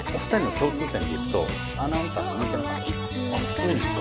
あっそうですか。